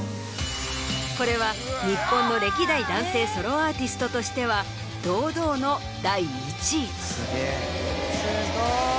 これは日本の歴代男性ソロアーティストとしては堂々の第１位。